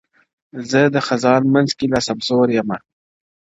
زه د خزان منځ کي لا سمسور یمه-